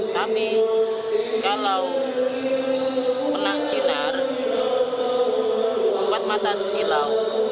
tapi kalau penang sinar membuat mata silau